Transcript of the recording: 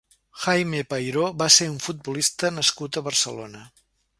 Jaime Peiró va ser un futbolista nascut a Barcelona.